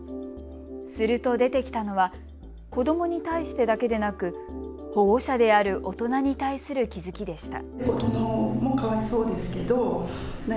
すると出てきたのは子どもに対してだけでなく保護者である大人に対する気付きでした。